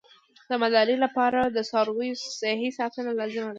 د مالدارۍ لپاره د څارویو صحي ساتنه لازمي ده.